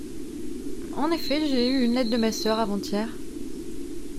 En effet, j’ai eu une lettre de ma sœur avant-hier…